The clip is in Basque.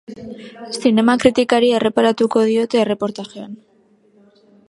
Zinema kritikari erreparatuko diote erreportajean.